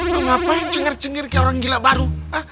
ngapain cengar cengir kayak orang gila baru